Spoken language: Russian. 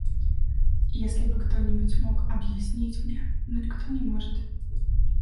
Если бы кто-нибудь мог объяснить мне, но никто не может.